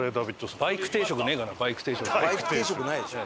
バイク定食ないでしょ。